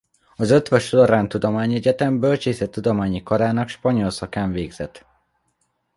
Az Eötvös Loránd Tudományegyetem Bölcsészettudományi Karának spanyol szakán végzett.